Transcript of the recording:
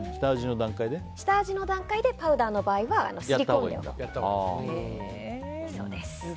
下味の段階でパウダーの場合はすり込むそうです。